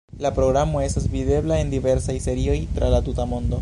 La programo estas videbla, en diversaj serioj, tra la tuta mondo.